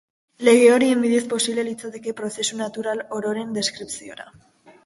Lege horien bidez posible litzateke prozesu natural ororen deskripziora.